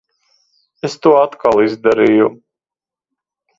Es to atkal izdarīju.